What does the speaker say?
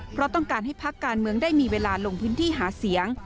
เพราะต้องการให้พักการเมืองได้มีเวลาลงพื้นที่หาเสียง